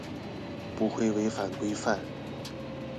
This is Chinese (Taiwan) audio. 不會違反規範